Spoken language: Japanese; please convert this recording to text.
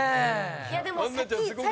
いやでも。